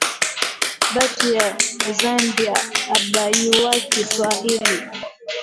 Batu ya zambia abayuwaki swahili